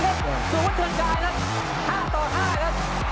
สวมพุทธเชื่อญการครับ๕ต่อ๕ครับ